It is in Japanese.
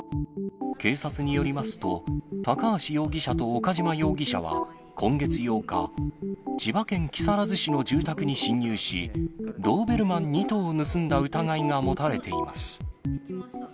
警察によりますと、高橋容疑者と岡島容疑者は、今月８日、千葉県木更津市の住宅に侵入し、ドーベルマン２頭を盗んだ疑いが持たれています。